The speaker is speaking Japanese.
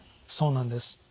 そうなんです。